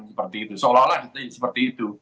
seperti itu seolah olah seperti itu